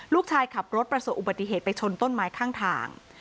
ขับรถประสบอุบัติเหตุไปชนต้นไม้ข้างทาง